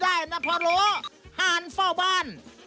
ได้นะพอโลหารเฝ้าบ้าน